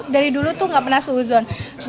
dari dulu tuh gak pernah she refers to cheizer